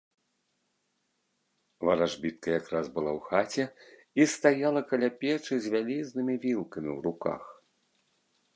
Варажбітка якраз была ў хаце і стаяла каля печы з вялізнымі вілкамі ў руках.